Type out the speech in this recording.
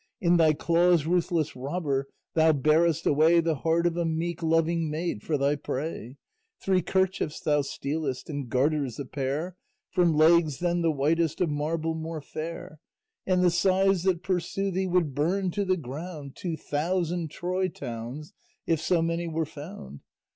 In thy claws, ruthless robber, Thou bearest away The heart of a meek Loving maid for thy prey, Three kerchiefs thou stealest, And garters a pair, From legs than the whitest Of marble more fair; And the sighs that pursue thee Would burn to the ground Two thousand Troy Towns, If so many were found.